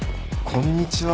こんにちは。